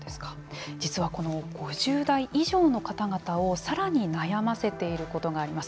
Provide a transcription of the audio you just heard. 実はこの５０代以上の方々をさらに悩ませていることがあります。